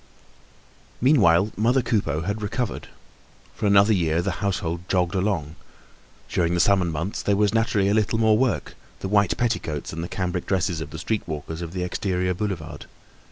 Meanwhile mother Coupeau had recovered. For another year the household jogged along. During the summer months there was naturally a little more work—the white petticoats and the cambric dresses of the street walkers of the exterior Boulevard.